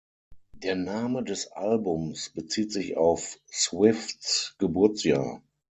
Der Name des Albums bezieht sich auf Swifts Geburtsjahr.